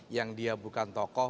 yang dia bukan tokoh